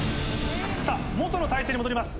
さぁ元の体勢に戻ります。